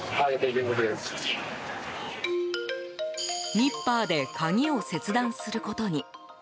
ニッパーで鍵を切断することに。